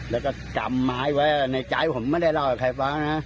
แล้วก็จำไม้ไว้ในใจผมไม่ได้เล่าให้ใครฟังนะ